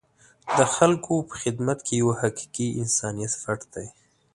د خلکو په خدمت کې یو حقیقي انسانیت پټ دی.